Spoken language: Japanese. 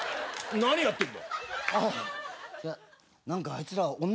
何言ってんだ？